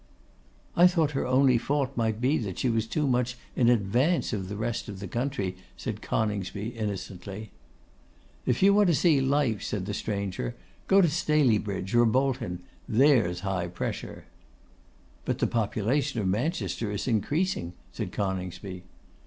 'I thought her only fault might be she was too much in advance of the rest of the country,' said Coningsby, innocently. 'If you want to see life,' said the stranger, 'go to Staleybridge or Bolton. There's high pressure.' 'But the population of Manchester is increasing,' said Coningsby.